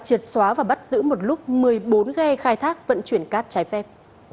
triệt xóa và bắt giữ một lúc một mươi bốn ghe khai thác vận chuyển cát trái phép